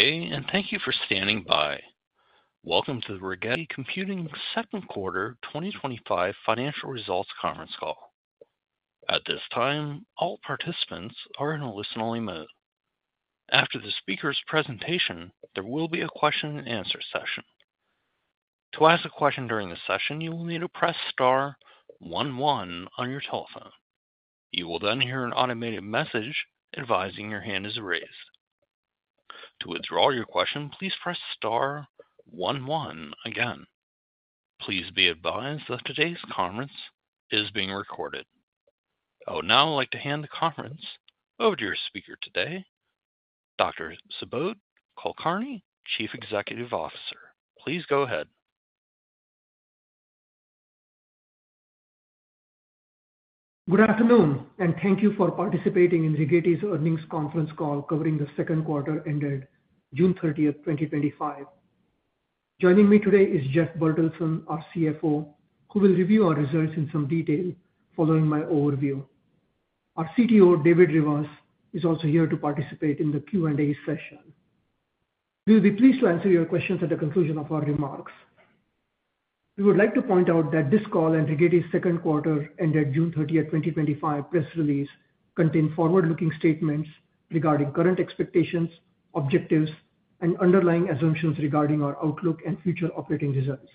Day and thank you for standing by. Welcome to the Rigetti Computing Second Quarter 2025 Financial Results Conference Call. At this time all participants are in a listen-only mode. After the speakers' presentation there will be a question-and-answer session. To ask a question during the session you will need to press star 1 1 on your telephone. You will then hear an automated message advising your hand is raised. To withdraw your question please press star 1 1 again. Please be advised that today's conference is being recorded. I would now like to hand the conference over to our speaker today Dr. Subodh Kulkarni Chief Executive Officer. Please go ahead. Good afternoon and thank you for participating in Rigetti's earnings conference call covering the second quarter ended June 30th, 2025. Joining me today is Jeff Bertelsen our CFO who will review our results in some detail following my overview. Our CTO David Rivas is also here to participate in the Q&A session. We will be pleased to answer your questions at the conclusion of our remarks. We would like to point out that this call and Rigetti's second quarter ended June 30th, 2025 press release contain forward-looking statements regarding current expectations objectives and underlying assumptions regarding our outlook and future operating results.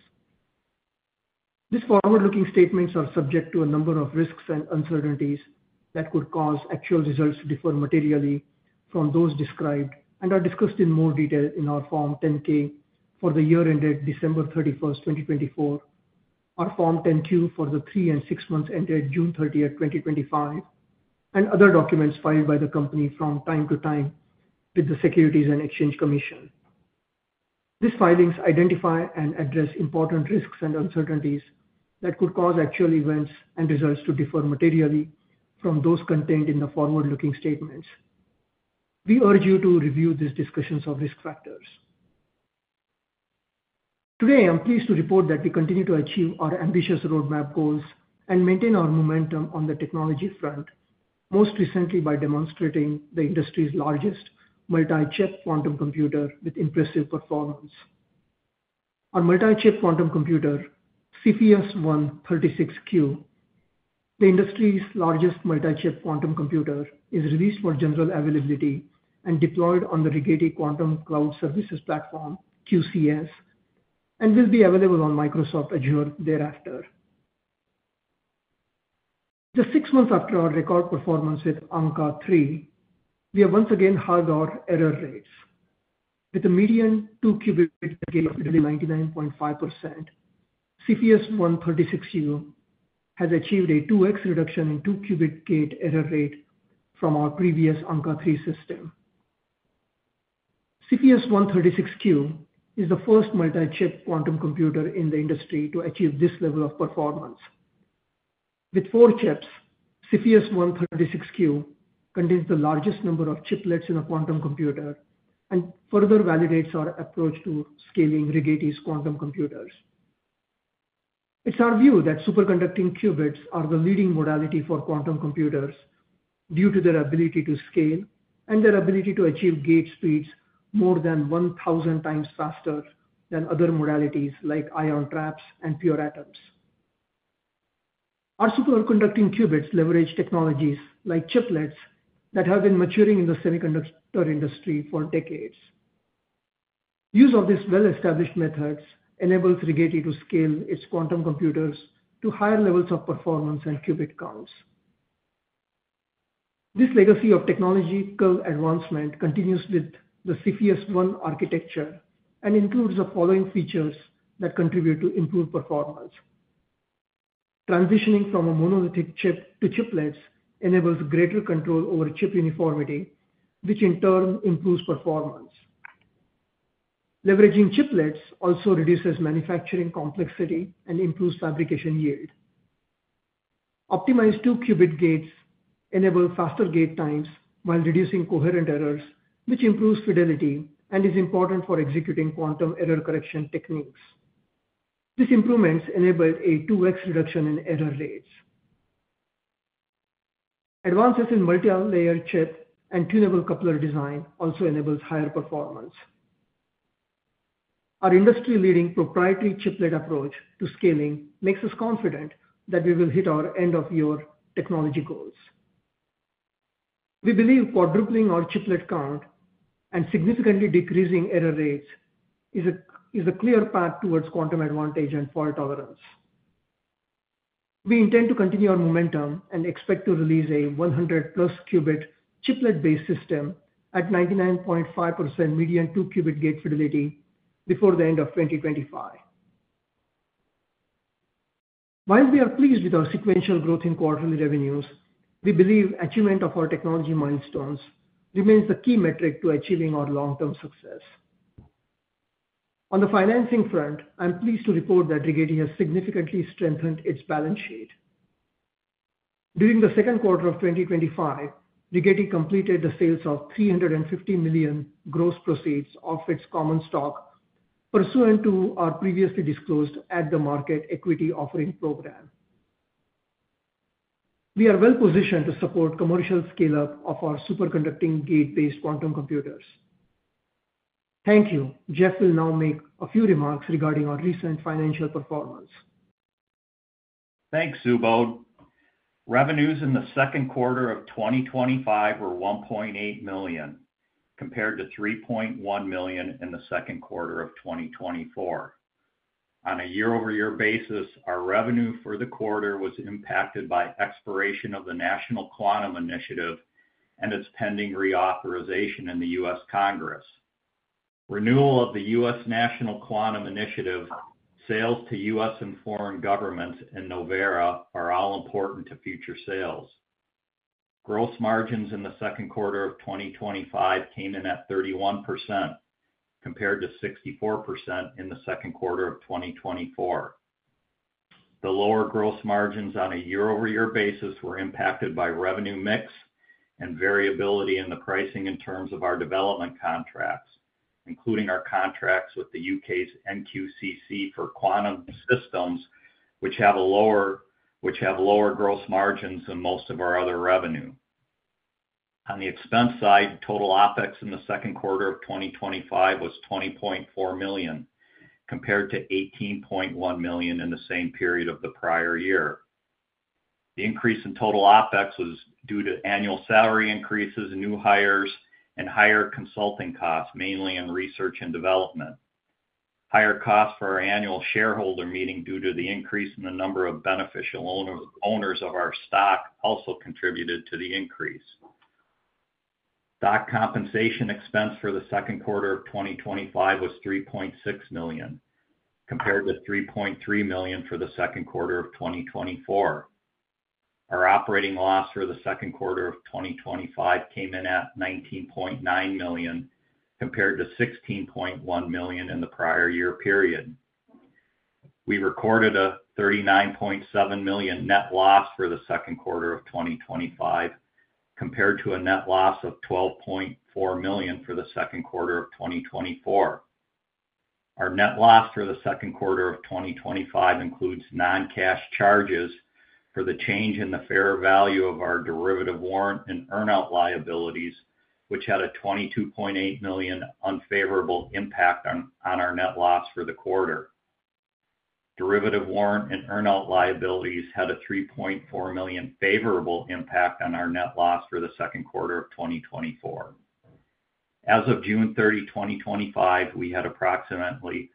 These forward-looking statements are subject to a number of risks and uncertainties that could cause actual results to differ materially from those described and are discussed in more detail in our Form 10-K for the year ended December 31st, 2024 our Form 10-Q for the three and six months ended June 30th, 2025 and other documents filed by the company from time to time with the Securities and Exchange Commission. These filings identify and address important risks and uncertainties that could cause actual events and results to differ materially from those contained in the forward-looking statements. We urge you to review these discussions of risk factors. Today I am pleased to report that we continue to achieve our ambitious roadmap goals and maintain our momentum on the technology front most recently by demonstrating the industry's largest multi-chip quantum computer with impressive performance. Our multi-chip quantum computer Cepheus-1-36Q the industry's largest multi-chip quantum computer is released for general availability and deployed on the Rigetti Quantum Cloud Services platform QCS and will be available on Microsoft Azure thereafter. Just six months after our record performance with Ankaa-3 we have once again halved our error rates. With a median 2-qubit gate of 99.5% Cepheus-1-36Q has achieved a 2x reduction in 2-qubit gate error rate from our previous Ankaa-3 system. Cepheus-1-36Q is the first multi-chip quantum computer in the industry to achieve this level of performance. With four chips Cepheus-1-36Q contains the largest number of chiplets in a quantum computer and further validates our approach to scaling Rigetti's quantum computers. It's our view that superconducting qubits are the leading modality for quantum computers due to their ability to scale and their ability to achieve gate speeds more than 1,000x faster than other modalities like ion traps and pure atoms. Our superconducting qubits leverage technologies like chiplets that have been maturing in the semiconductor industry for decades. Use of these well-established methods enables Rigetti to scale its quantum computers to higher levels of performance and qubit counts. This legacy of technological advancement continues with Cepheus-1-36Q architecture and includes the following features that contribute to improved performance. Transitioning from a monolithic chip to chiplets enables greater control over chip uniformity which in turn improves performance. Leveraging chiplets also reduces manufacturing complexity and improves fabrication yield. Optimized 2-qubit gates enable faster gate times while reducing coherent errors which improves fidelity and is important for executing quantum error correction techniques. These improvements enable a 2x reduction in error rates. Advances in multi-layer chip and tunable coupler design also enable higher performance. Our industry-leading proprietary chiplet approach to scaling makes us confident that we will hit our end-of-year technology goals. We believe quadrupling our chiplet count and significantly decreasing error rates is a clear path towards quantum advantage and fault tolerance. We intend to continue our momentum and expect to release a 100+ qubit chiplet-based system at 99.5% median 2-qubit gate fidelity before the end of 2025. While we are pleased with our sequential growth in quarterly revenues we believe achievement of our technology milestones remains the key metric to achieving our long-term success. On the financing front I'm pleased to report that Rigetti has significantly strengthened its balance sheet. During the second quarter of 2025 Rigetti completed the sales of $350 million gross proceeds of its common stock pursuant to our previously disclosed at-the-market equity offering program. We are well positioned to support commercial scale-up of our superconducting gate-based quantum computers. Thank you. Jeff will now make a few remarks regarding our recent financial performance. Thanks Subodh. Revenues in the second quarter of 2025 were $1.8 million compared to $3.1 million in the second quarter of 2024. On a year-over-year basis our revenue for the quarter was impacted by expiration of the National Quantum initiative and its pending reauthorization in the U.S. Congress. Renewal of the U.S. National Quantum initiative sales to U.S. and foreign governments and Novera are all important to future sales. Gross margins in the second quarter of 2025 came in at 31% compared to 64% in the second quarter of 2024. The lower gross margins on a year-over-year basis were impacted by revenue mix and variability in the pricing in terms of our development contracts including our contracts with the U.K.'s NQCC for quantum systems which have lower gross margins than most of our other revenue. On the expense side total OpEx in the second quarter of 2025 was $20.4 million compared to $18.1 million in the same period of the prior year. The increase in total OpEx was due to annual salary increases new hires and higher consulting costs mainly in research and development. Higher costs for our annual shareholder meeting due to the increase in the number of beneficial owners of our stock also contributed to the increase. Stock compensation expense for the second quarter of 2025 was $3.6 million compared with $3.3 million for the second quarter of 2024. Our operating loss for the second quarter of 2025 came in at $19.9 million compared to $16.1 million in the prior-year period. We recorded a $39.7 million net loss for the second quarter of 2025 compared to a net loss of $12.4 million for the second quarter of 2024. Our net loss for the second quarter of 2025 includes non-cash charges for the change in the fair value of our derivative warrant and earnout liabilities which had a $22.8 million unfavorable impact on our net loss for the quarter. Derivative warrant and earnout liabilities had a $3.4 million favorable impact on our net loss for the second quarter of 2024. As of June 30, 2025 we had approximately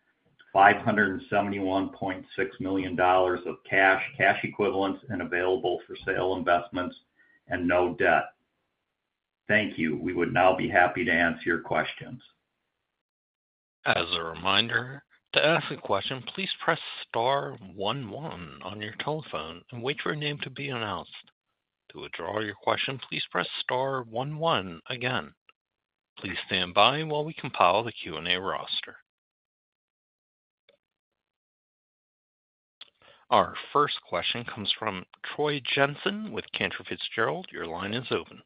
$571.6 million of cash cash equivalents and available for sale investments and no debt. Thank you. We would now be happy to answer your questions. As a reminder to ask a question please press star 1 1 on your telephone and wait for your name to be announced. To withdraw your question please press star 1 1 again. Please stand by while we compile the Q&A roster. Our first question comes from Troy Jensen with Cantor Fitzgerald. Your line is open.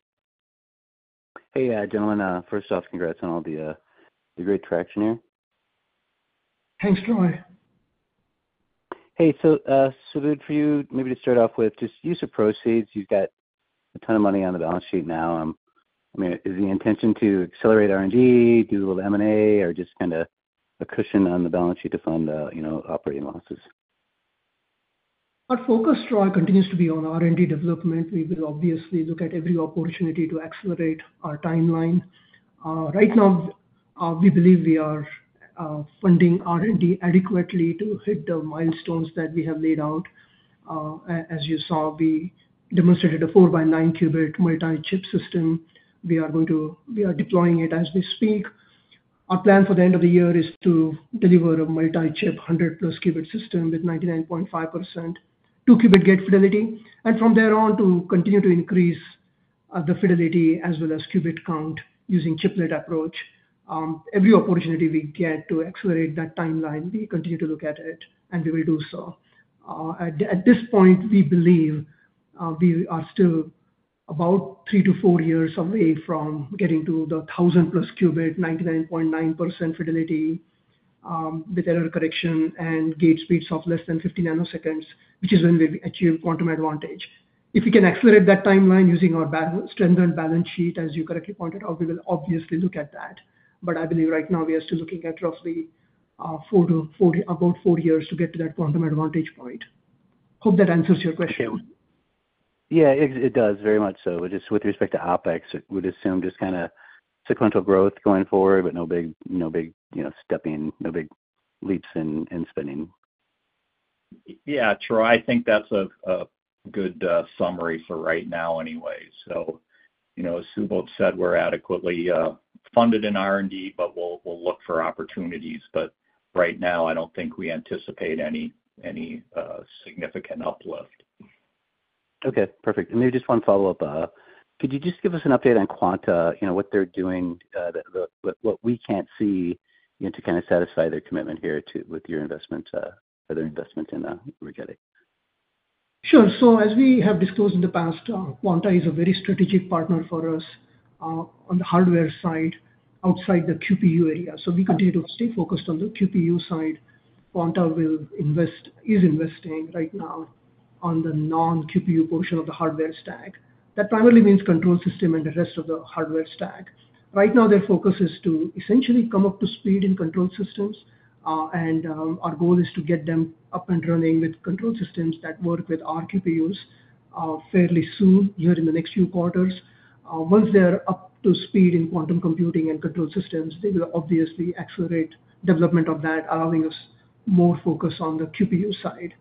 Hey gentlemen. First off congrats on all the great traction here. Thanks Troy. Subodh for you maybe to start off with just use of proceeds. You've got a ton of money on the balance sheet now. I mean is the intention to accelerate R&D do a little M&A or just kind of a cushion on the balance sheet to fund the operating losses? Our focus Troy continues to be on R&D development. We will obviously look at every opportunity to accelerate our timeline. Right now we believe we are funding R&D adequately to hit the milestones that we have laid out. As you saw we demonstrated a 4x9 qubit multi-chip system. We are deploying it as we speak. Our plan for the end of the year is to deliver a multi-chip 100+ qubit system with 99.5% 2-qubit gate fidelity. From there on to continue to increase the fidelity as well as qubit count using chiplet approach. Every opportunity we get to accelerate that timeline we continue to look at it and we will do so. At this point we believe we are still about three years-four years away from getting to the 1,000+ qubit 99.9% fidelity with error correction and gate speeds of less than 50 nanoseconds which is when we achieve quantum advantage. If we can accelerate that timeline using our strengthened balance sheet as you correctly pointed out we will obviously look at that. I believe right now we are still looking at roughly about four years to get to that quantum advantage point. Hope that answers your question. Yeah it does very much so. Just with respect to OpEx we'd assume just kind of sequential growth going forward but no big stepping no big leaps in spending. Yeah Troy I think that's a good summary for right now anyway. As Subodh said we're adequately funded in R&D but we'll look for opportunities. Right now I don't think we anticipate any significant uplift. Okay perfect. Maybe just one follow-up. Could you just give us an update on Quanta you know what they're doing what we can't see you know to kind of satisfy their commitment here with your investment or their investment in Rigetti? Sure. As we have disclosed in the past Quanta is a very strategic partner for us on the hardware side outside the QPU area. We continue to stay focused on the QPU side. Quanta is investing right now on the non-QPU portion of the hardware stack. That primarily means control system and the rest of the hardware stack. Right now their focus is to essentially come up to speed in control systems. Our goal is to get them up and running with control systems that work with our QPUs fairly soon here in the next few quarters. Once they're up to speed in quantum computing and control systems they will obviously accelerate development of that allowing us more focus on the QPU side.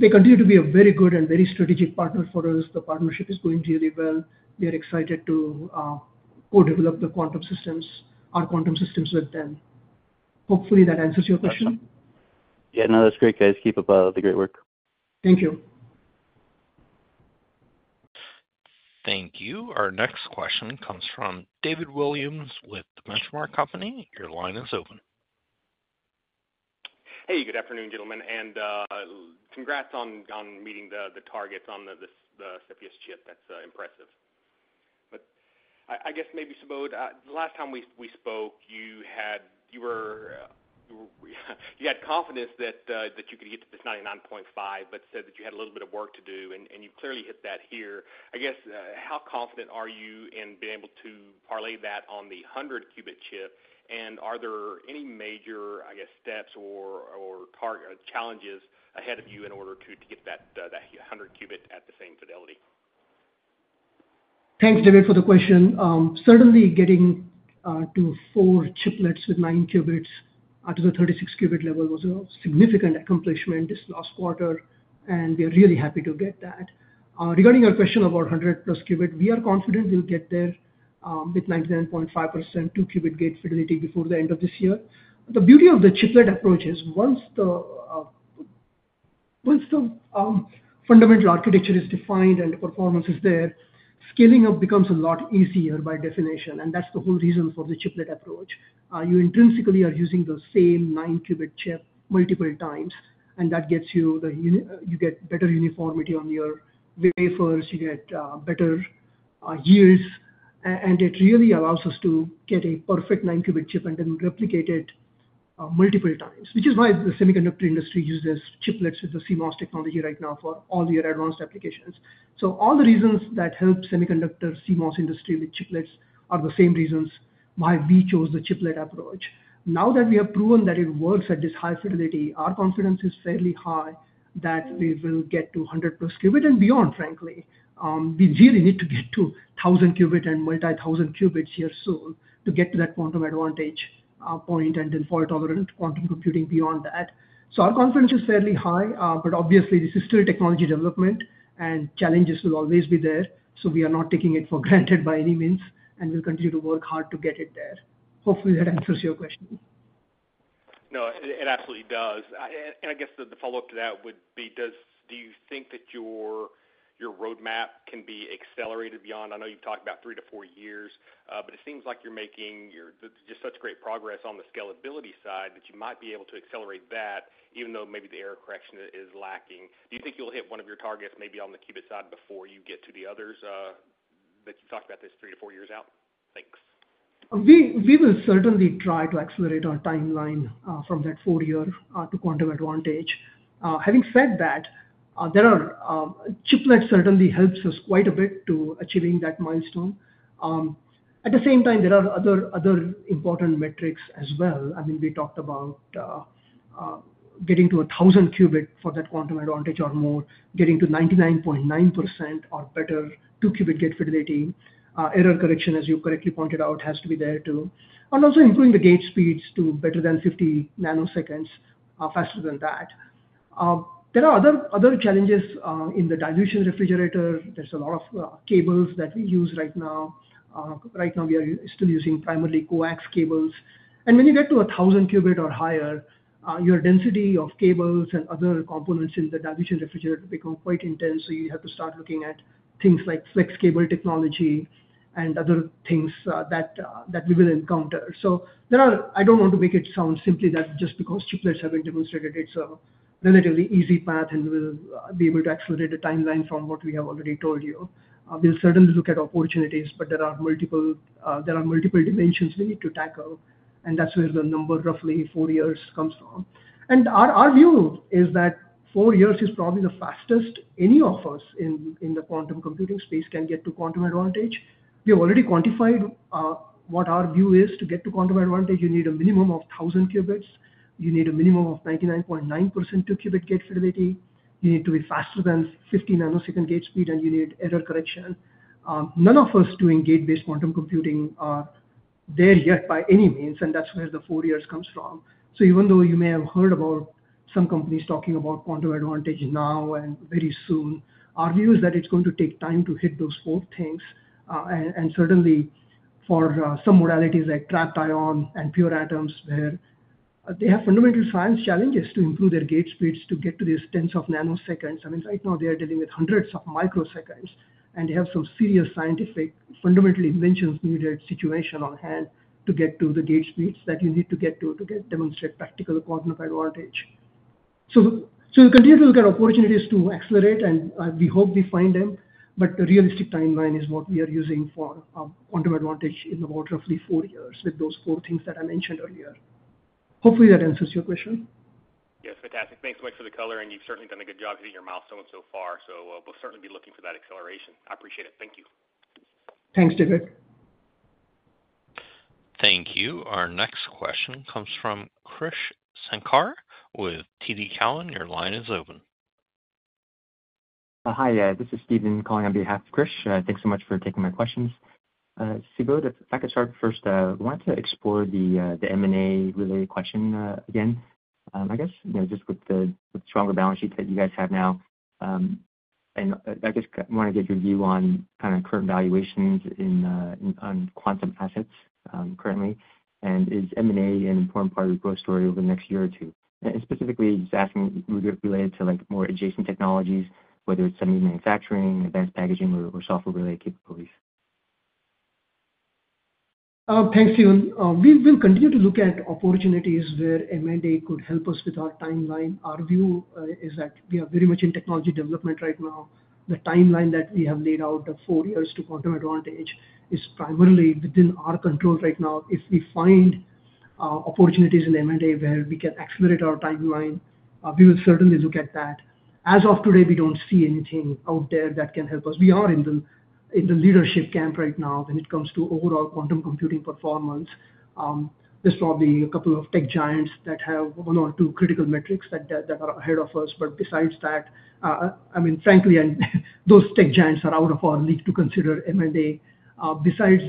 They continue to be a very good and very strategic partner for us. The partnership is going really well. We are excited to co-develop the quantum systems our quantum systems with them. Hopefully that answers your question. Yeah no that's great guys. Keep up the great work. Thank you. Thank you. Our next question comes from David Williams with The Benchmark Company. Your line is open. Hey good afternoon gentlemen. Congrats on meeting the targets on the Cepheus chip. That's impressive. I guess maybe Subodh the last time we spoke you had confidence that you could get to this 99.5% but said that you had a little bit of work to do and you clearly hit that here. How confident are you in being able to parlay that on the 100-qubit chip? Are there any major steps or challenges ahead of you in order to get that 100-qubit at the same fidelity? Thanks David for the question. Certainly getting to four chiplets with 9 qubits to the 36-qubit level was a significant accomplishment this last quarter and we are really happy to get that. Regarding your question about 100+ qubit we are confident we'll get there with 99.5% 2-qubit gate fidelity before the end of this year. The beauty of the chiplet approach is once the fundamental architecture is defined and the performance is there scaling up becomes a lot easier by definition. That is the whole reason for the chiplet approach. You intrinsically are using the same 9-qubit chip multiple times and that gets you better uniformity on your wafers. You get better yields and it really allows us to get a perfect 9-qubit chip and then replicate it multiple times which is why the semiconductor industry uses chiplets with the CMOS technology right now for all your advanced applications. All the reasons that help semiconductor CMOS industry with chiplets are the same reasons why we chose the chiplet approach. Now that we have proven that it works at this high fidelity our confidence is fairly high that we will get to 100+ qubit and beyond frankly. We really need to get to 1,000 qubit and multi-thousand qubits here soon to get to that quantum advantage point and then fault tolerant quantum computing beyond that. Our confidence is fairly high but obviously this is still technology development and challenges will always be there. We are not taking it for granted by any means and we'll continue to work hard to get it there. Hopefully that answers your question. No it absolutely does. I guess the follow-up to that would be do you think that your roadmap can be accelerated beyond? I know you've talked about three years-four years but it seems like you're making just such great progress on the scalability side that you might be able to accelerate that even though maybe the error correction is lacking. Do you think you'll hit one of your targets maybe on the qubit side before you get to the others that you talked about that's three years-four years out? Thanks. We will certainly try to accelerate our timeline from that four-year to quantum advantage. Having said that chiplets certainly help us quite a bit to achieving that milestone. At the same time there are other important metrics as well. I mean we talked about getting to 1,000 qubit for that quantum advantage or more getting to 99.9% or better 2-qubit gate fidelity. Error correction as you correctly pointed out has to be there too. Also improving the gate speeds to better than 50 nanoseconds faster than that. There are other challenges in the dilution refrigerator. There's a lot of cables that we use right now. Right now we are still using primarily coax cables. When you get to 1,000 qubit or higher your density of cables and other components in the dilution refrigerator becomes quite intense. You have to start looking at things like flex cable technology and other things that we will encounter. I don't want to make it sound simply that just because chiplets have been demonstrated it's a relatively easy path and we will be able to accelerate the timeline from what we have already told you. We'll certainly look at opportunities but there are multiple dimensions we need to tackle and that's where the number roughly four years comes from. Our view is that four years is probably the fastest any of us in the quantum computing space can get to quantum advantage. We've already quantified what our view is. To get to quantum advantage you need a minimum of 1,000 qubits. You need a minimum of 99.9% 2-qubit gate fidelity. You need to be faster than 50-nanosecond gate speed and you need error correction. None of us doing gate-based quantum computing are there yet by any means and that's where the four years comes from. Even though you may have heard about some companies talking about quantum advantage now and very soon our view is that it's going to take time to hit those four things. Certainly for some modalities like trapped ion and pure atoms where they have fundamental science challenges to improve their gate speeds to get to these tens of nanoseconds. Right now they are dealing with hundreds of microseconds and they have some serious scientific fundamental inventions needed situation on hand to get to the gate speeds that you need to get to to demonstrate practical quantum advantage. You continue to look at opportunities to accelerate and we hope we find them but a realistic timeline is what we are using for quantum advantage in about roughly four years with those four things that I mentioned earlier. Hopefully that answers your question. Yes fantastic. Thanks so much for the color and you've certainly done a good job hitting your milestones so far. We will certainly be looking for that acceleration. I appreciate it. Thank you. Thanks David. Thank you. Our next question comes from Krish Sankar with TD Cowen. Your line is open. Hi this is Steven calling on behalf of Krish. Thanks so much for taking my questions. Subodh if I could start first I wanted to explore the M&A related question again. I guess you know just with the stronger balance sheet that you guys have now I just want to get your view on kind of current valuations on quantum assets currently and is M&A an important part of the growth story over the next year or two? Specifically just asking related to more adjacent technologies whether it's semi manufacturing advanced packaging or software-related capabilities. Thanks Steven. We will continue to look at opportunities where M&A could help us with our timeline. Our view is that we are very much in technology development right now. The timeline that we have laid out of four years to quantum advantage is primarily within our control right now. If we find opportunities in M&A where we can accelerate our timeline we will certainly look at that. As of today we don't see anything out there that can help us. We are in the leadership camp right now when it comes to overall quantum computing performance. There's probably a couple of tech giants that have one or two critical metrics that are ahead of us. Frankly those tech giants are out of our league to consider M&A. Besides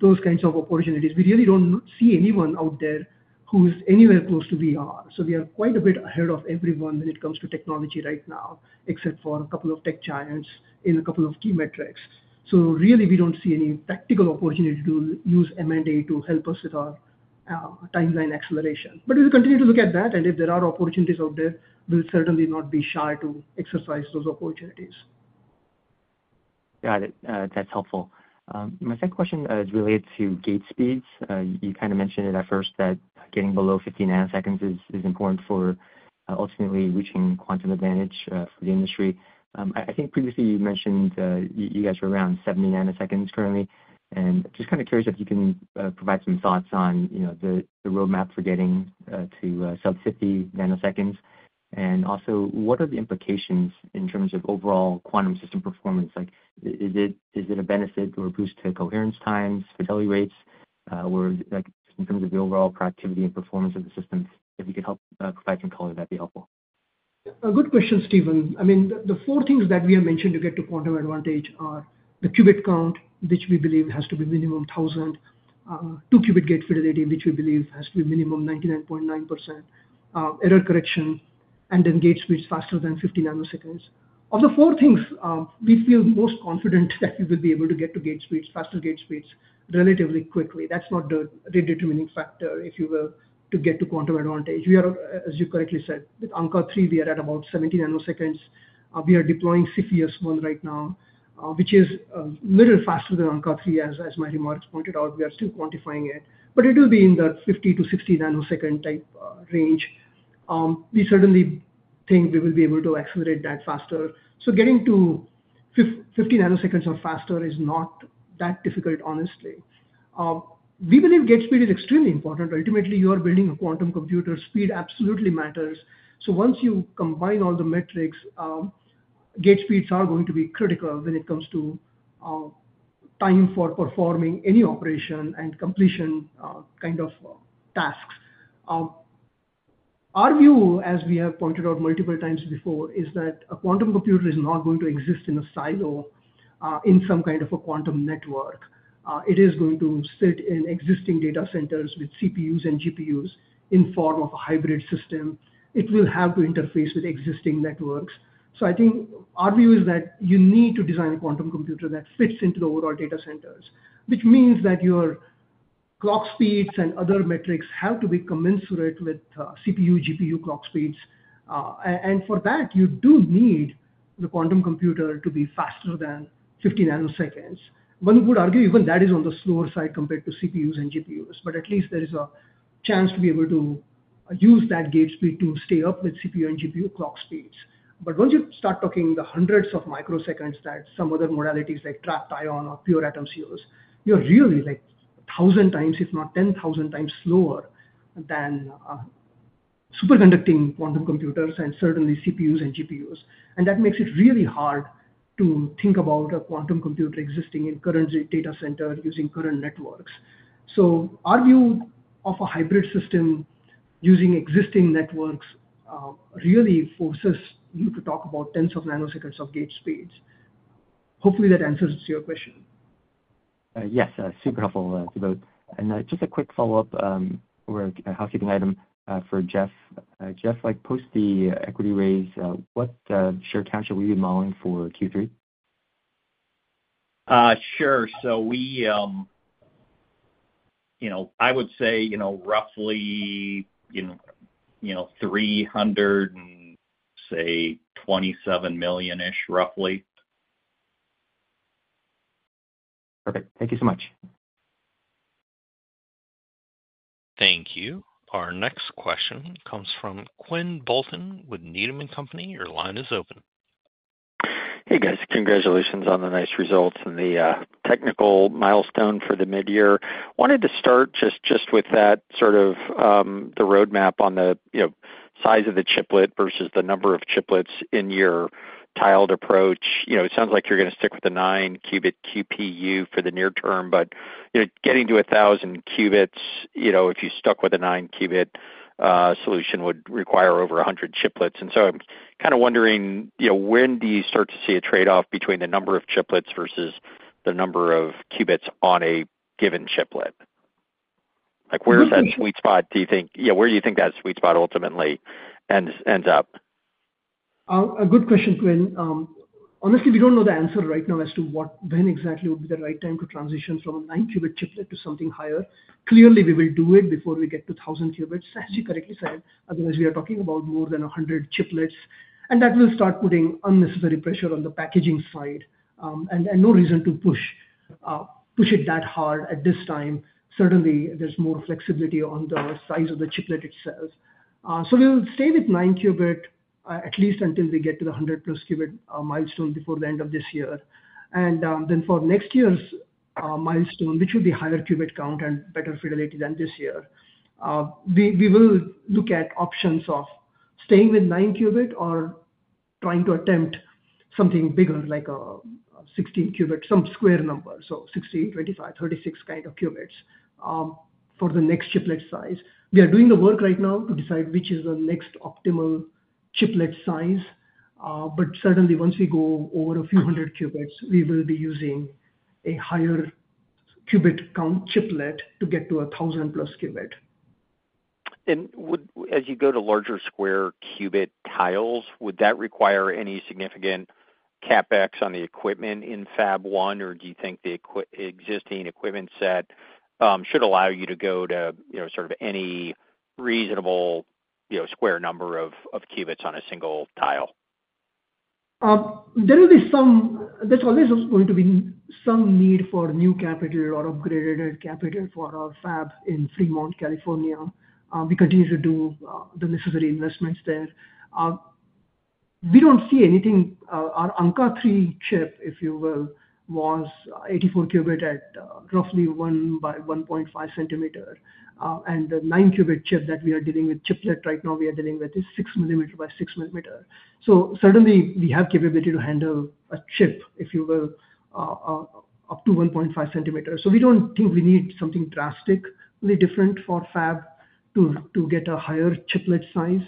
those kinds of opportunities we really don't see anyone out there who's anywhere close to we are. We are quite a bit ahead of everyone when it comes to technology right now except for a couple of tech giants in a couple of key metrics. We don't see any practical opportunity to use M&A to help us with our timeline acceleration. We'll continue to look at that and if there are opportunities out there we'll certainly not be shy to exercise those opportunities. Got it. That's helpful. My second question is related to gate speeds. You kind of mentioned it at first that getting below 50 nanoseconds is important for ultimately reaching quantum advantage for the industry. I think previously you mentioned you guys are around 70 nanoseconds currently and just kind of curious if you can provide some thoughts on the roadmap for getting to sub-50 nanoseconds. Also what are the implications in terms of overall quantum system performance? Is it a benefit or a boost to coherence times fidelity rates or in terms of the overall productivity and performance of the systems? If you could help provide some color that'd be helpful. Good question Steven. I mean the four things that we have mentioned to get to quantum advantage are the qubit count which we believe has to be minimum 1,000 2-qubit gate fidelity which we believe has to be minimum 99.9% error correction and then gate speeds faster than 50 nanoseconds. Of the four things we feel most confident that we will be able to get to gate speeds faster gate speeds relatively quickly. That's not the determining factor if you will to get to quantum advantage. As you correctly said with Ankaa-3 we are at about 70 nanoseconds. We are deploying Cepheus-1 right now which is a little faster than Ankaa-3 as my remarks pointed out. We are still quantifying it but it will be in the 50-nanosecond-60-nanosecond type range. We certainly think we will be able to accelerate that faster. Getting to 50 nanoseconds or faster is not that difficult honestly. We believe gate speed is extremely important. Ultimately you are building a quantum computer. Speed absolutely matters. Once you combine all the metrics gate speeds are going to be critical when it comes to time for performing any operation and completion kind of tasks. Our view as we have pointed out multiple times before is that a quantum computer is not going to exist in a silo in some kind of a quantum network. It is going to sit in existing data centers with CPUs and GPUs in form of a hybrid system. It will have to interface with existing networks. I think our view is that you need to design a quantum computer that fits into the overall data centers which means that your clock speeds and other metrics have to be commensurate with CPU GPU clock speeds. For that you do need the quantum computer to be faster than 50 nanoseconds. One would argue even that is on the slower side compared to CPUs and GPUs but at least there is a chance to be able to use that gate speed to stay up with CPU and GPU clock speeds. Once you start talking the hundreds of microseconds that some other modalities like trapped ion or pure atoms use you're really like 1,000x if not 10,000x slower than superconducting quantum computers and certainly CPUs and GPUs. That makes it really hard to think about a quantum computer existing in current data center using current networks. Our view of a hybrid system using existing networks really forces you to talk about tens of nanoseconds of gate speeds. Hopefully that answers your question. Yes super helpful Subodh. Just a quick follow-up or a housekeeping item for Jeff. Jeff like post the equity raise what share cash are we be modeling for Q3? Sure. I would say roughly $327 million-ish roughly. Perfect. Thank you so much. Thank you. Our next question comes from Quinn Bolton with Needham & Company. Your line is open. Hey guys. Congratulations on the nice results and the technical milestone for the mid-year. Wanted to start just with that sort of the roadmap on the size of the chiplet versus the number of chiplets in your tiled approach. You know it sounds like you're going to stick with the 9-qubit QPU for the near term but getting to 1,000 qubits you know if you stuck with a 9-qubit solution would require over 100 chiplets. I'm kind of wondering you know when do you start to see a trade-off between the number of chiplets versus the number of qubits on a given chiplet? Where's that sweet spot do you think? Where do you think that sweet spot ultimately ends up? A good question Quinn. Honestly we don't know the answer right now as to when exactly would be the right time to transition from a 9-qubit chiplet to something higher. Clearly we will do it before we get to 1,000 qubits as you correctly said. Otherwise we are talking about more than 100 chiplets. That will start putting unnecessary pressure on the packaging side and no reason to push it that hard at this time. Certainly there's more flexibility on the size of the chiplet itself. We'll stay with 9-qubit at least until we get to the 100+ qubit milestone before the end of this year. For next year's milestone which would be higher qubit count and better fidelity than this year we will look at options of staying with 9-qubit or trying to attempt something bigger like a 16-qubit some square number so 16 25 36 kind of qubits for the next chiplet size. We are doing the work right now to decide which is the next optimal chiplet size. Certainly once we go over a few hundred qubits we will be using a higher qubit count chiplet to get to 1,000+ qubit. As you go to larger square qubit tiles would that require any significant CapEx on the equipment in Fab 1 or do you think the existing equipment set should allow you to go to any reasonable square number of qubits on a single tile? There will be some there's always going to be some need for new capital or upgraded capital for our fab in Fremont California. We continue to do the necessary investments there. We don't see anything. Our Ankaa-3 chip if you will was 84 qubit at roughly 1 cm by 1.5 cm. The 9-qubit chip that we are dealing with chiplet right now we are dealing with is 6 mm by 6 mm. Certainly we have capability to handle a chip if you will up to 1.5 cm. We don't think we need something drastically different for fab to get a higher chiplet size.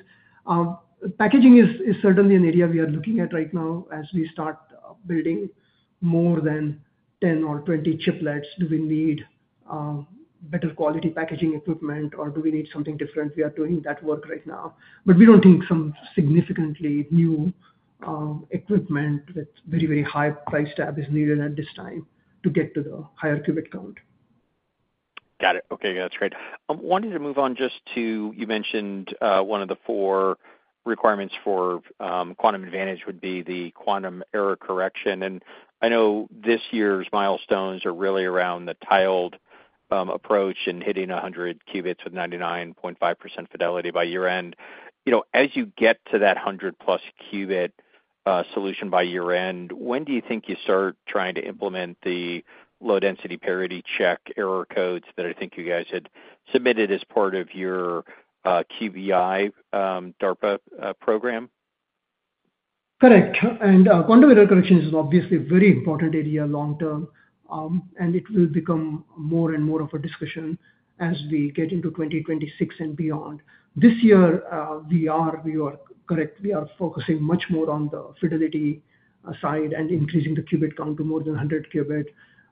Packaging is certainly an area we are looking at right now as we start building more than 10 or 20 chiplets. Do we need better quality packaging equipment or do we need something different? We are doing that work right now. We don't think some significantly new equipment with very very high price tab is needed at this time to get to the higher qubit count. Got it. Okay that's great. I wanted to move on just to you mentioned one of the four requirements for quantum advantage would be the quantum error correction. I know this year's milestones are really around the tiled approach and hitting 100 qubits with 99.5% fidelity by year-end. As you get to that 100+ qubit solution by year-end when do you think you start trying to implement the low-density parity check error codes that I think you guys had submitted as part of your QBI DARPA program? Correct. Quantum error correction is obviously a very important area long term and it will become more and more of a discussion as we get into 2026 and beyond. This year we are focusing much more on the fidelity side and increasing the qubit count to more than 100 qubit.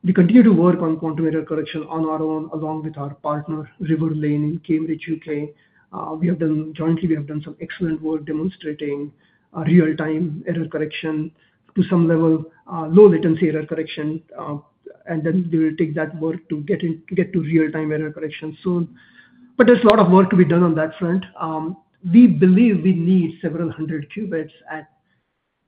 We continue to work on quantum error correction on our own along with our partner Riverlane in Cambridge U.K. Jointly we have done some excellent work demonstrating real-time error correction to some level low latency error correction and we will take that work to get to real-time error correction soon. There is a lot of work to be done on that front. We believe we need several hundred qubits at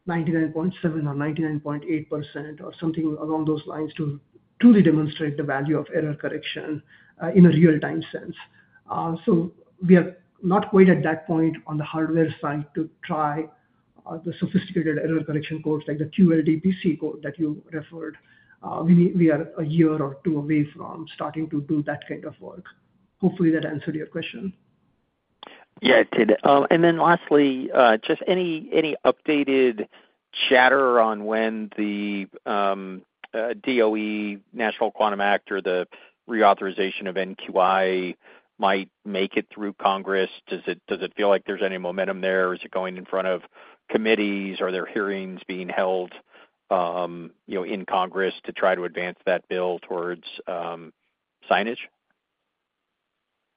99.7% or 99.8% or something along those lines to truly demonstrate the value of error correction in a real-time sense. We are not quite at that point on the hardware side to try the sophisticated error correction codes like the QLDPC code that you referred. We are a year or two away from starting to do that kind of work. Hopefully that answered your question. Yeah it did. Lastly just any updated chatter on when the DOE National Quantum Act or the reauthorization of NQI might make it through Congress? Does it feel like there's any momentum there? Is it going in front of committees? Are there hearings being held in Congress to try to advance that bill towards signage?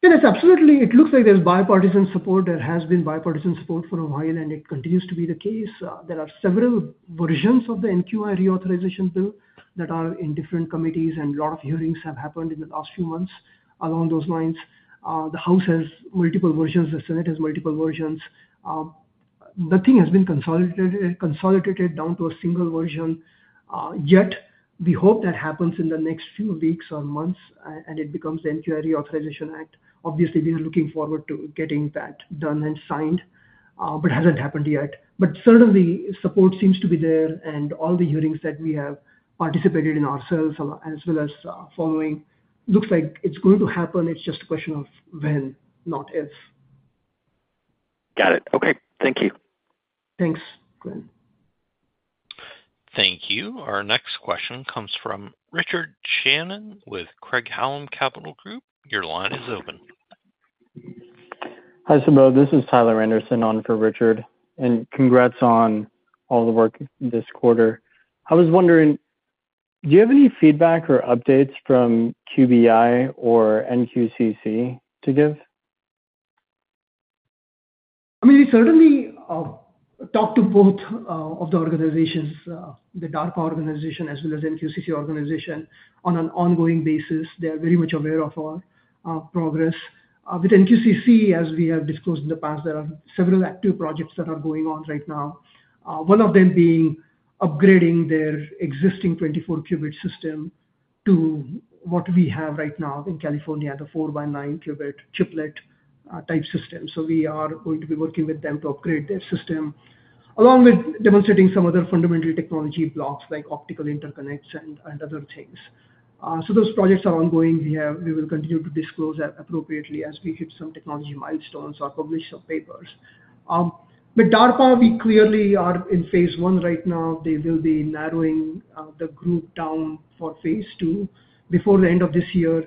Yes absolutely. It looks like there's bipartisan support. There has been bipartisan support for a while and it continues to be the case. There are several versions of the NQI reauthorization bill that are in different committees and a lot of hearings have happened in the last few months along those lines. The House has multiple versions. The Senate has multiple versions. Nothing has been consolidated down to a single version yet. We hope that happens in the next few weeks or months and it becomes the NQI Reauthorization Act. Obviously we are looking forward to getting that done and signed but it hasn't happened yet. Certainly support seems to be there and all the hearings that we have participated in ourselves as well as following look like it's going to happen. It's just a question of when not if. Got it. Okay. Thank you. Thanks Quinn. Thank you. Our next question comes from Richard Shannon with Craig-Hallum Capital Group. Your line is open. Hi Subodh. This is Tyler Anderson on for Richard and congrats on all the work this quarter. I was wondering do you have any feedback or updates from QBI or NQCC to give? I mean we certainly talked to both of the organizations the DARPA organization as well as NQCC organization on an ongoing basis. They are very much aware of our progress. With NQCC as we have disclosed in the past there are several active projects that are going on right now one of them being upgrading their existing 24-qubit system to what we have right now in California the 4x9 qubit chiplet type system. We are going to be working with them to upgrade their system along with demonstrating some other fundamental technology blocks like optical interconnects and other things. Those projects are ongoing. We will continue to disclose appropriately as we hit some technology milestones or publish some papers. With DARPA we clearly are in phase one right now. They will be narrowing the group down for phase two before the end of this year.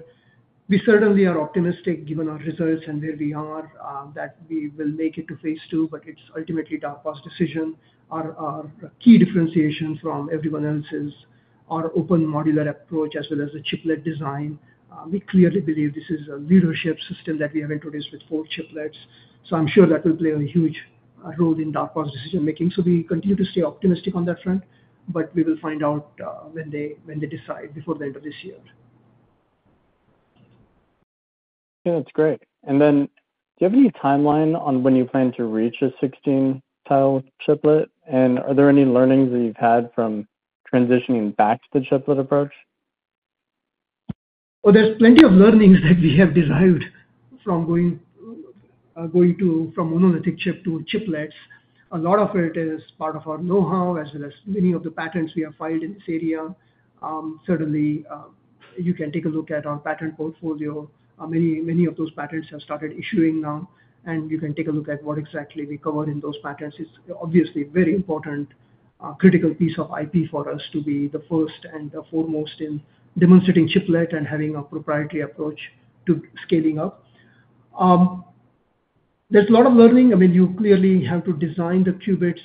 We certainly are optimistic given our results and where we are that we will make it to phase two but it's ultimately DARPA's decision. Our key differentiation from everyone else is our open modular approach as well as the chiplet design. We clearly believe this is a leadership system that we have introduced with four chiplets. I'm sure that will play a huge role in DARPA's decision-making. We continue to stay optimistic on that front but we will find out when they decide before the end of this year. That's great. Do you have any timeline on when you plan to reach a 16-tile chiplet? Are there any learnings that you've had from transitioning back to the chiplet approach? Oh there's plenty of learnings that we have derived from going from monolithic chip to chiplets. A lot of it is part of our knowhow as well as many of the patents we have filed in this area. Certainly you can take a look at our patent portfolio. Many of those patents have started issuing now and you can take a look at what exactly we cover in those patents. It's obviously a very important critical piece of IP for us to be the first and foremost in demonstrating chiplet and having a proprietary approach to scaling up. There's a lot of learning. You clearly have to design the qubits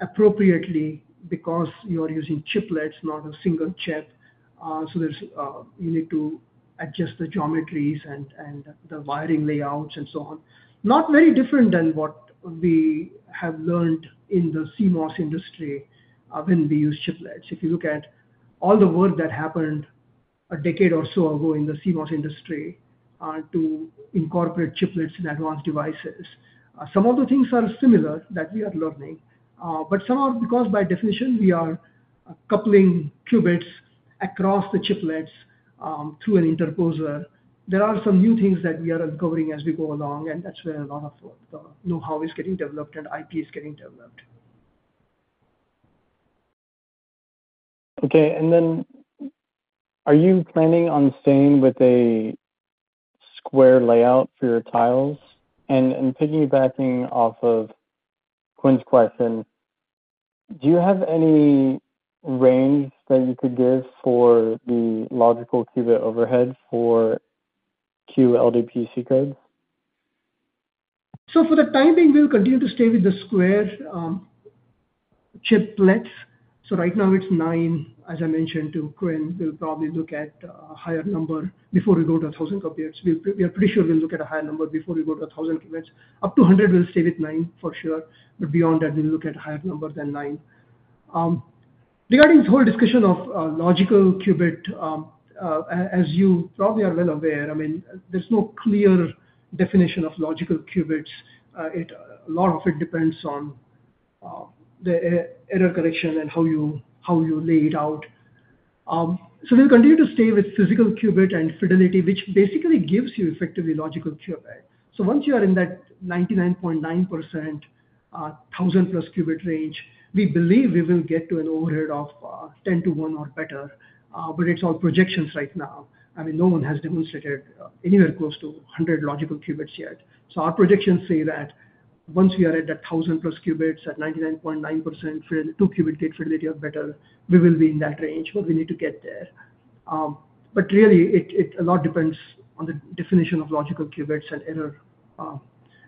appropriately because you are using chiplets not a single chip. You need to adjust the geometries and the wiring layouts and so on. Not very different than what we have learned in the CMOS industry when we use chiplets. If you look at all the work that happened a decade or so ago in the CMOS industry to incorporate chiplets in advanced devices some of the things are similar that we are learning but some are because by definition we are coupling qubits across the chiplets through an interposer. There are some new things that we are uncovering as we go along and that's where a lot of the knowhow is getting developed and IP is getting developed. Okay are you planning on staying with a square layout for your tiles? Piggybacking off of Quinn's question do you have any range that you could give for the logical qubit overhead for QLDPC code? For the time being we'll continue to stay with the square chiplets. Right now it's nine. As I mentioned to Quinn we'll probably look at a higher number before we go to 1,000 qubits. We are pretty sure we'll look at a higher number before we go to 1,000 qubits. Up to 100 we'll stay with nine for sure but beyond that we'll look at a higher number than nine. Regarding this whole discussion of logical qubit as you probably are well aware there's no clear definition of logical qubits. A lot of it depends on the error correction and how you lay it out. We'll continue to stay with physical qubit and fidelity which basically gives you effectively logical qubit. Once you are in that 99.9% 1,000+ qubit range we believe we will get to an overhead of 10:1 or better but it's all projections right now. No one has demonstrated anywhere close to 100 logical qubits yet. Our projections say that once we are at that 1,000+ qubits at 99.9% 2-qubit gate fidelity or better we will be in that range but we need to get there. A lot depends on the definition of logical qubits and error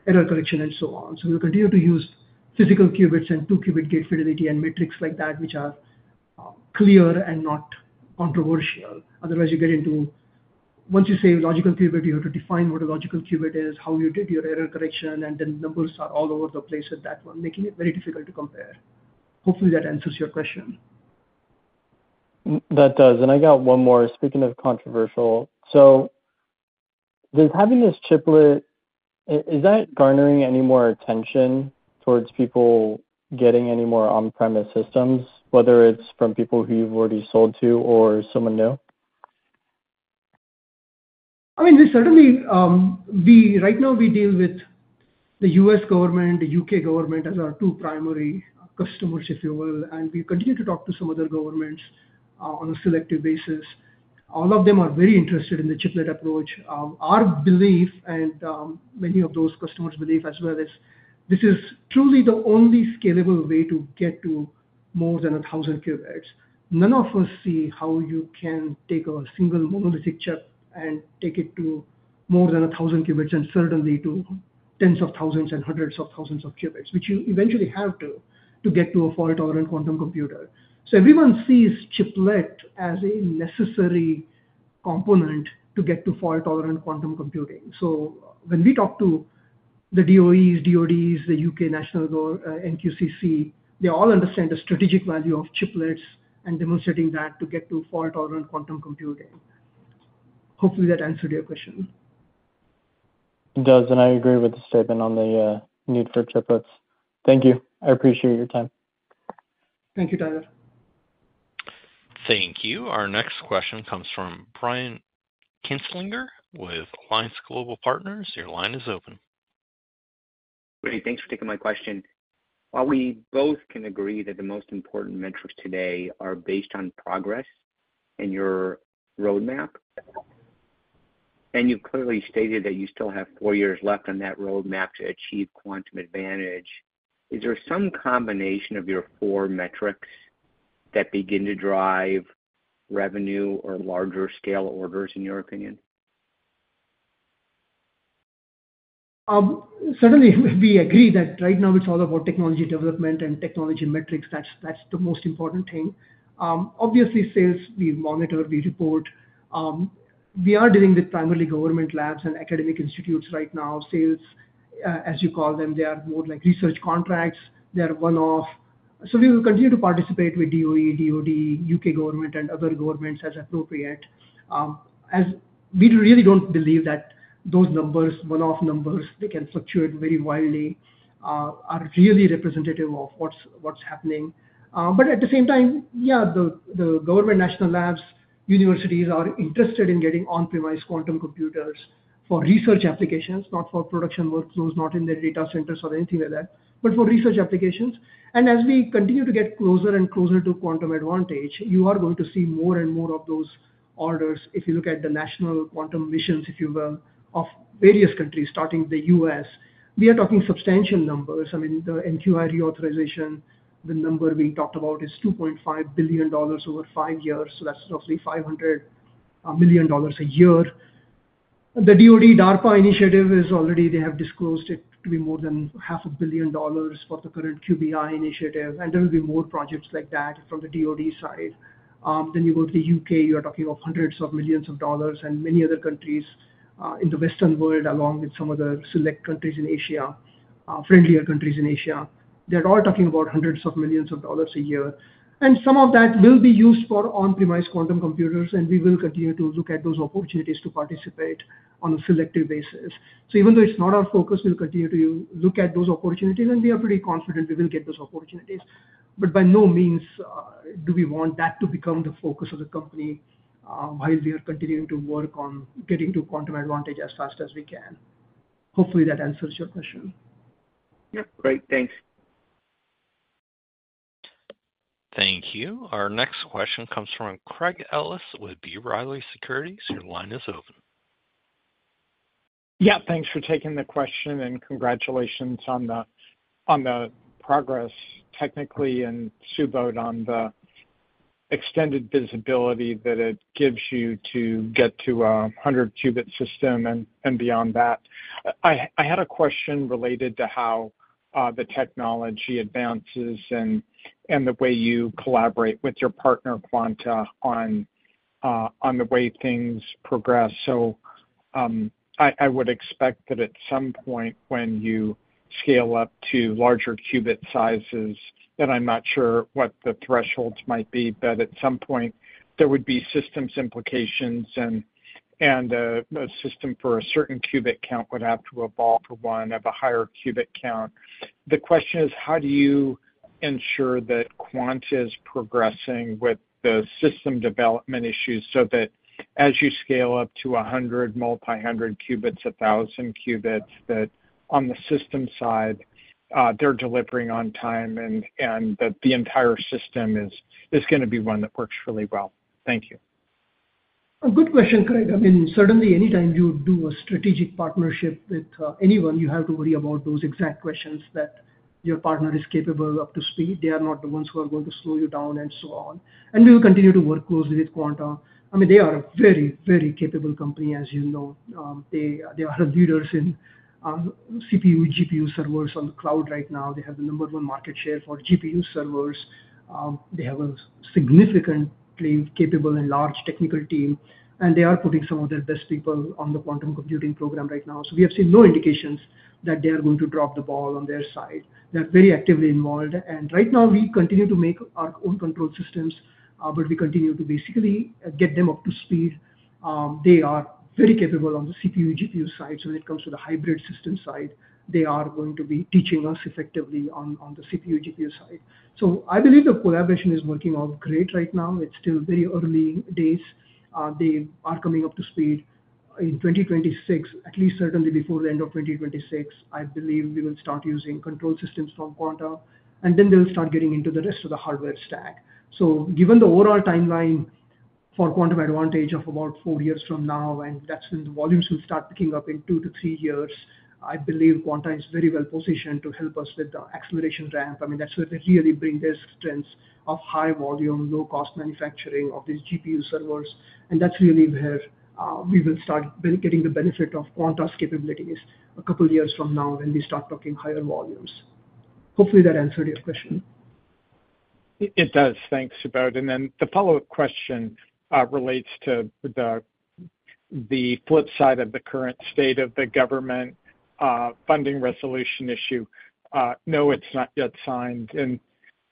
correction and so on. We'll continue to use physical qubits and 2-qubit gate fidelity and metrics like that which are clear and not controversial. Otherwise once you say logical qubit you have to define what a logical qubit is how you did your error correction and then numbers are all over the place at that one making it very difficult to compare. Hopefully that answers your question. That does. I got one more speaking of controversial. Does having this chiplet is that garnering any more attention towards people getting any more on-premise systems whether it's from people who you've already sold to or someone new? I mean we certainly right now we deal with the U.S. government the U.K. government as our two primary customers if you will and we continue to talk to some other governments on a selective basis. All of them are very interested in the chiplet approach. Our belief and many of those customers' belief as well is this is truly the only scalable way to get to more than 1,000 qubits. None of us see how you can take a single monolithic chip and take it to more than 1,000 qubits and certainly to tens of thousands and hundreds of thousands of qubits which you eventually have to get to a fault tolerant quantum computer. Everyone sees chiplet as a necessary component to get to fault tolerant quantum computing. When we talk to the DOEs DoDs the U.K. NQCC they all understand the strategic value of chiplets and demonstrating that to get to fault tolerant quantum computing. Hopefully that answered your question. It does and I agree with the statement on the need for chiplets. Thank you. I appreciate your time. Thank you Tyler. Thank you. Our next question comes from Brian Kinstlinger with Alliance Global Partners. Your line is open. Great thanks for taking my question. Are we both can agree that the most important metrics today are based on progress and your roadmap? You've clearly stated that you still have four years left on that roadmap to achieve quantum advantage. Is there some combination of your four metrics that begin to drive revenue or larger scale orders in your opinion? Certainly we agree that right now it's all about technology development and technology metrics. That's the most important thing. Obviously sales we monitor we report. We are dealing with primarily government labs and academic institutes right now. Sales as you call them they are more like research contracts. They are one-off. We will continue to participate with DOE DoD U.K. government and other governments as appropriate. We really don't believe that those numbers one-off numbers they can fluctuate very widely are really representative of what's happening. At the same time yeah the government national labs universities are interested in getting on-premise quantum computers for research applications not for production workflows not in their data centers or anything like that but for research applications. As we continue to get closer and closer to quantum advantage you are going to see more and more of those orders. If you look at the national quantum missions if you will of various countries starting with the U.S. we are talking substantial numbers. I mean the NQI reauthorization the number we talked about is $2.5 billion over five years. That's roughly $500 million a year. The DoD DARPA initiative is already they have disclosed it to be more than $0.5 billion dollars for the current QBI initiative and there will be more projects like that from the DoD side. You go to the U.K. you are talking of hundreds of millions of dollars and many other countries in the Western world along with some other select countries in Asia friendlier countries in Asia they're all talking about hundreds of millions of dollars a year. Some of that will be used for on-premise quantum computers and we will continue to look at those opportunities to participate on a selective basis. Even though it's not our focus we'll continue to look at those opportunities and we are pretty confident we will get those opportunities. By no means do we want that to become the focus of the company while we are continuing to work on getting to quantum advantage as fast as we can. Hopefully that answers your question. Yeah great. Thanks. Thank you. Our next question comes from Craig Ellis with B. Riley Securities. Your line is open. Yeah thanks for taking the question and congratulations on the progress technically and Subodh on the extended visibility that it gives you to get to a 100-qubit system and beyond that. I had a question related to how the technology advances and the way you collaborate with your partner Quanta on the way things progress. I would expect that at some point when you scale up to larger qubit sizes that I'm not sure what the thresholds might be but at some point there would be systems implications and a system for a certain qubit count would have to evolve to one of a higher qubit count. The question is how do you ensure that Quanta is progressing with the system development issues so that as you scale up to 100 multi-hundred qubits 1,000 qubits that on the system side they're delivering on time and that the entire system is going to be one that works really well? Thank you. Good question Craig. Certainly anytime you do a strategic partnership with anyone you have to worry about those exact questions that your partner is capable of up to speed. They are not the ones who are going to slow you down and so on. We will continue to work closely with Quanta. They are a very very capable company as you know. They are the leaders in CPU GPU servers on the cloud right now. They have the number one market share for GPU servers. They have a significantly capable and large technical team and they are putting some of their best people on the quantum computing program right now. We have seen no indications that they are going to drop the ball on their side. They're very actively involved. Right now we continue to make our own control systems but we continue to basically get them up to speed. They are very capable on the CPU GPU side. When it comes to the hybrid system side they are going to be teaching us effectively on the CPU GPU side. I believe the collaboration is working out great right now. It's still very early days. They are coming up to speed. In 2026 at least certainly before the end of 2026 I believe we will start using control systems from Quanta and then they'll start getting into the rest of the hardware stack. Given the overall timeline for quantum advantage of about four years from now and that's when the volumes will start picking up in two years-three years I believe Quanta is very well positioned to help us with the acceleration ramp. That's where they clearly bring their strengths of high volume low cost manufacturing of these GPU servers and that's really where we will start getting the benefit of Quanta's capabilities a couple years from now when we start talking higher volumes. Hopefully that answered your question. It does. Thanks Subodh. The follow-up question relates to the flip side of the current state of the government funding resolution issue. No it's not yet signed.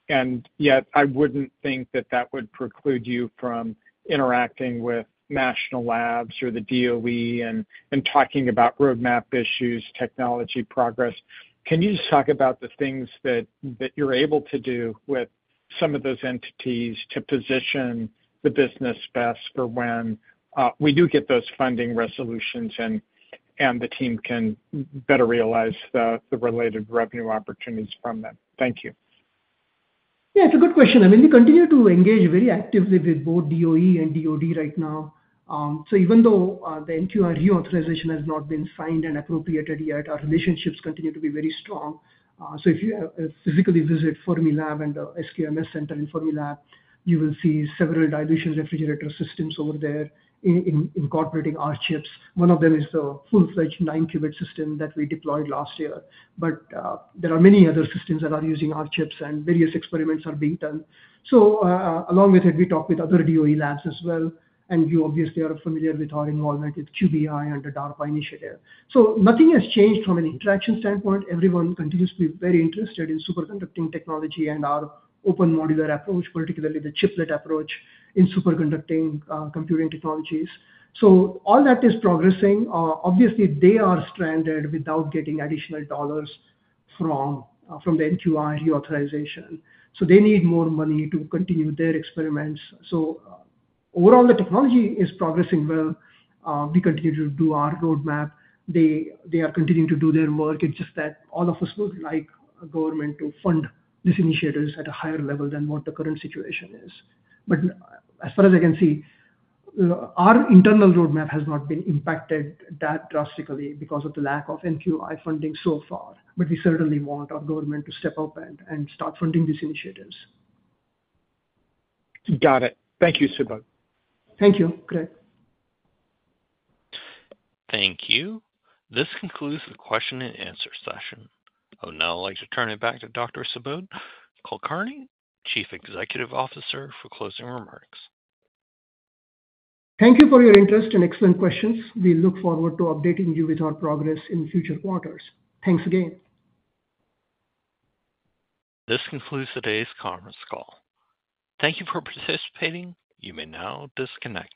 I wouldn't think that that would preclude you from interacting with national labs or the DOE and talking about roadmap issues technology progress. Can you just talk about the things that you're able to do with some of those entities to position the business best for when we do get those funding resolutions and the team can better realize the related revenue opportunities from them? Thank you. Yeah it's a good question. I mean we continue to engage very actively with both DOE and DoD right now. Even though the NQI reauthorization has not been signed and appropriated yet our relationships continue to be very strong. If you physically visit Fermilab and the SQMS center in Fermilab you will see several dilution refrigerator systems over there incorporating our chips. One of them is the full-fledged 9-qubit system that we deployed last year. There are many other systems that are using our chips and various experiments are being done. Along with it we talk with other DOE labs as well. You obviously are familiar with our involvement with QBI and the DARPA initiative. Nothing has changed from an interaction standpoint. Everyone continues to be very interested in superconducting technology and our open modular approach particularly the chiplet approach in superconducting computing technologies. All that is progressing. Obviously they are stranded without getting additional dollars from the NQI reauthorization. They need more money to continue their experiments. Overall the technology is progressing well. We continue to do our roadmap. They are continuing to do their work. It's just that all of us would like government to fund these initiatives at a higher level than what the current situation is. As far as I can see our internal roadmap has not been impacted that drastically because of the lack of NQI funding so far. We certainly want our government to step up and start funding these initiatives. Got it. Thank you Subodh. Thank you Craig. Thank you. This concludes the question-and-answer session. I would now like to turn it back to Dr. Subodh Kulkarni Chief Executive Officer for closing remarks. Thank you for your interest and excellent questions. We look forward to updating you with our progress in future quarters. Thanks again. This concludes today's conference call. Thank you for participating. You may now disconnect.